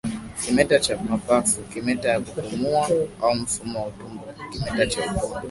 kimeta cha mapafu kimeta ya kupumua au mfumo wa utumbo kimeta cha utumbo